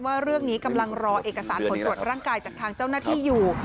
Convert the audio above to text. ว่าเรื่องนี้กำลังรอเอกสารผลตรวจร่างกายจากทางเจ้าหน้าที่อยู่